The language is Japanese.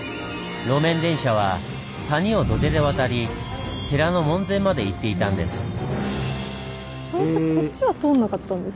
路面電車は谷を土手で渡り寺の門前まで行っていたんです。